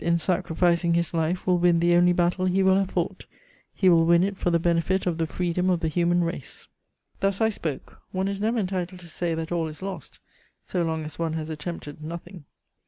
in sacrificing his life, will win the only battle he will have fought; he will win it for the benefit of the freedom of the human race." Thus I spoke: one is never entitled to say that all is lost so long as one has attempted nothing.